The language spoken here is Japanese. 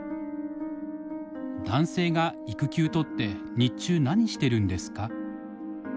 「男性が育休とって日中何してるんですか？」。